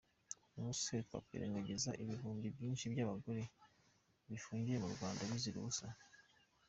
Ubuse twakwirengagizako ibihumbi byinshi by’abagore bifungiwe mu Rwanda bizira ubusa?